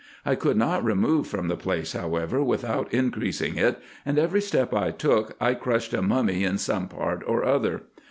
I could not remove from the place, however, with, out increasing it, and every step I took I crushed a mummy in some part or other.